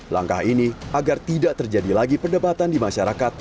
langkah ini agar tidak terjadi lagi perdebatan di masyarakat